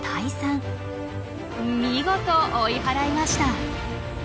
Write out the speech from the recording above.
見事追い払いました。